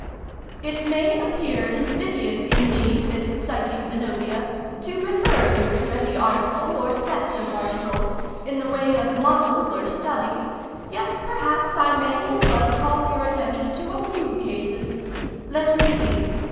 "It may appear invidious in me, Miss Psyche Zenobia, to refer you to any article, or set of articles, in the way of model or study, yet perhaps I may as well call your attention to a few cases. Let me see.